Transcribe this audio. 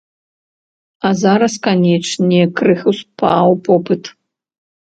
А зараз, канечне, крыху спаў попыт.